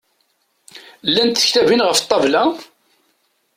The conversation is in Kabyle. Llant tektabin ɣef ṭṭabla?